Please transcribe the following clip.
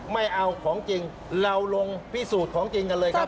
ไม่เอาของจริงเราลงพิสูจน์ของจริงกันเลยครับ